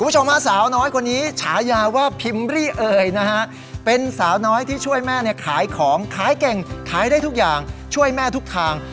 คุณผู้ชมฮะสาวน้อยคนนี้ฉายาว่าพิมพ์รี่เอ่ยนะฮะเป็นสาวน้อยที่ช่วยแม่เนี่ยขายของขายเก่งขายได้ทุกอย่างช่วยแม่ทุกทาง